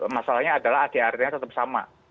masalahnya adalah adi adinya tetap sama